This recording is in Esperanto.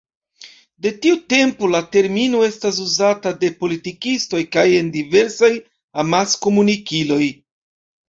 De tiu tempo la termino estas uzata de politikistoj kaj en diversaj amaskomunikiloj.